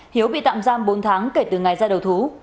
hiếu bị tạm giam bốn tháng kể từ ngày ra đầu thú